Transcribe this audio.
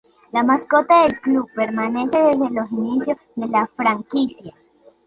La mascota del club permanece desde los inicios de la franquicia.